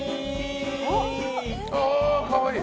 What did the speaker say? かわいい！